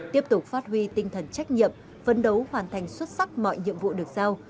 tiếp tục phát huy tinh thần trách nhiệm phấn đấu hoàn thành xuất sắc mọi nhiệm vụ được giao